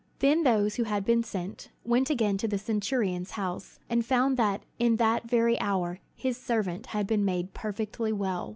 '" Then those who had been sent, went again to the centurion's house, and found that in that very hour his servant had been made perfectly well.